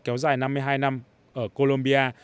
xung đột kéo dài năm mươi hai năm ở columbia